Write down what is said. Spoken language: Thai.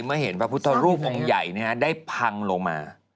เมื่อเห็นพระพุทธรูปองค์ใหญ่ได้พังลงมา